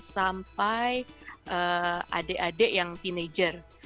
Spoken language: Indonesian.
sampai adik adik yang teenager